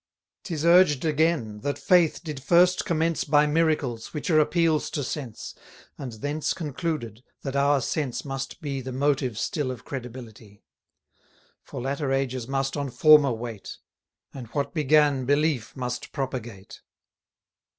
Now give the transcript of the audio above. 'Tis urged again, that faith did first commence By miracles, which are appeals to sense, And thence concluded, that our sense must be The motive still of credibility. For latter ages must on former wait, 110 And what began belief must propagate.